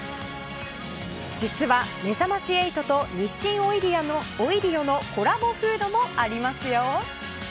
実はめざまし８と日清オイリオのコラボフードもありますよ。